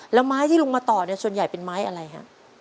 แล้วไม้ที่ลุงมาต่อเนี่ยส่วนใหญ่เป็นไม้อะไรฮะ